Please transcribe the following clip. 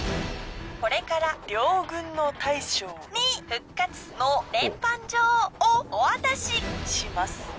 これから両軍の大将に復活の連判状をお渡しします。